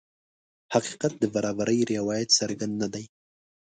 حقیقت د برابرۍ روایت څرګند نه دی.